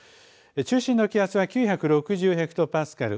中心の気圧は９６０ヘクトパスカル。